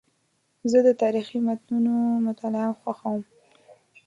زه د تاریخي متونو مطالعه خوښوم.